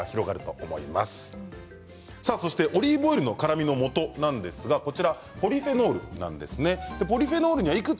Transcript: そしてオリーブオイルの辛みのもとはポリフェノールなんですね。